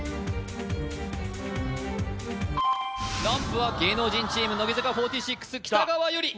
ランプは芸能人チーム乃木坂４６北川悠理